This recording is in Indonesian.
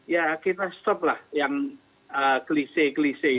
ya kita stop lah yang klise klise